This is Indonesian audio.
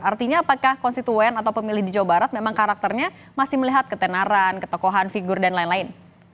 artinya apakah konstituen atau pemilih di jawa barat memang karakternya masih melihat ketenaran ketokohan figur dan lain lain